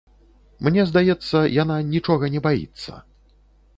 Мне здаецца, яна нічога не баіцца.